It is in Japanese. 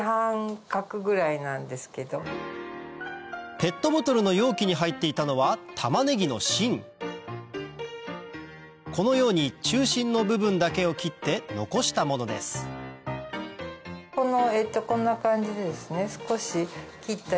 ペットボトルの容器に入っていたのはこのように中心の部分だけを切って残したものですこんな感じでですね。